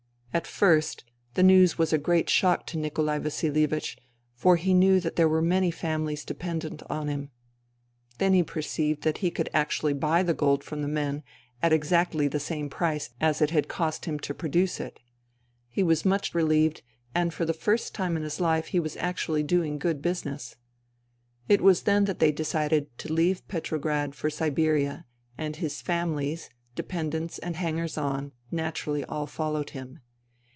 At first the news was a great shock to Nikolai Vasilievich, for he knew that there were many families dependent on him. Then he perceived that he could actually buy the gold from the men at exactly the same price as it had cost him to produce it, He was much relieved. INTERVENING IN SIBERIA 117 and for the first time in his hfe he was actually doing good business. It was then that they decided to leave Petrograd for Siberia, and his famihes, dependents and hangers on naturally all followed him.